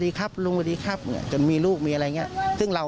ที่ไหนก็จะรับบ้างไม่รู้เลยครับ